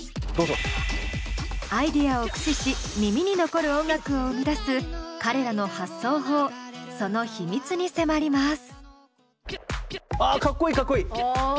アイデアを駆使し耳に残る音楽を生み出す彼らの発想法その秘密に迫ります。